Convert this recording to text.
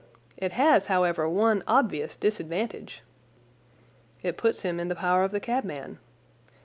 It has, however, one obvious disadvantage." "It puts him in the power of the cabman."